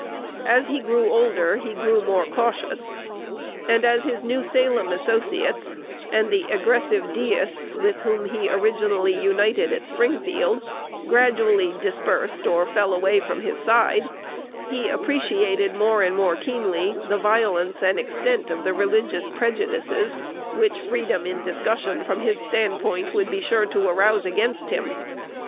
As he grew older, he grew more cautious; and as his New Salem associates, and the aggressive deists with whom he originally united at Springfield, gradually dispersed, or fell away from his side, he appreciated more and more keenly the violence and extent of the religious prejudices which freedom in discussion from his standpoint would be sure to arouse against him.